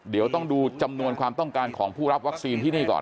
เดี๋ยวต้องดูจำนวนความต้องการของผู้รับวัคซีนที่นี่ก่อน